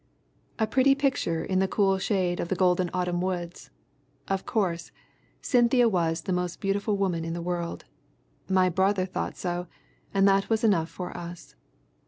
A pretty picture in the cool shade of the golden autumn woods. Of course, Cynthia was the most beautiful woman in the world. My brother thought so, and that was enough for us.